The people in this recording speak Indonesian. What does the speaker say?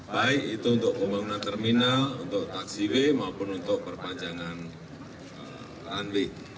baik itu untuk pembangunan terminal untuk taksi w maupun untuk perpanjangan randik